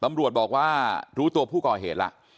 ตำรวจบอกว่ารู้ตัวผู้ก่อเหตุแล้ว